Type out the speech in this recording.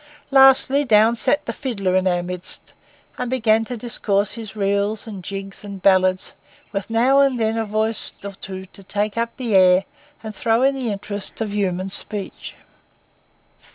Lastly, down sat the fiddler in our midst and began to discourse his reels, and jigs, and ballads, with now and then a voice or two to take up the air and throw in the interest of human speech.